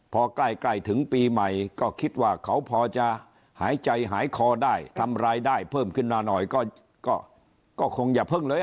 พอใกล้ถึงปีใหม่ก็คิดว่าเขาพอจะหายใจหายคอได้ทำรายได้เพิ่มขึ้นมาหน่อยก็คงอย่าเพิ่งเลย